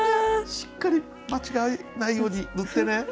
しっかり間違えないように塗ってね。